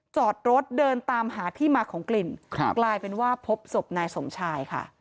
จอดรถเดินตามหาที่มาของกลิ่นครับกลายเป็นว่าพบศพนายสมชายค่ะ